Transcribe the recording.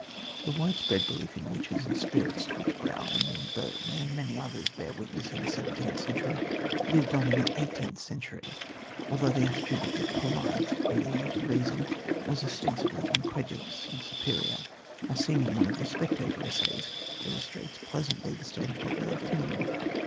The widespread belief in witches and spirits to which Browne and Burton and many others bear witness in the seventeenth century, lived on in the eighteenth century, although the attitude of the "polite" in the age of reason was ostensibly incredulous and superior. A scene in one of the Spectator essays illustrates pleasantly the state of popular opinion.